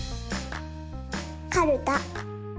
かるた。